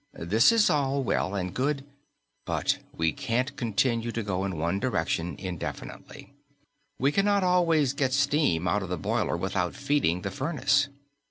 This is all well and good, but we can't continue to go in one direction indefinitely. We cannot always get steam out of the boiler without feeding the furnace.